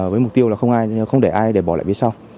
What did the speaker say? với mục tiêu là không để ai để bỏ lại phía sau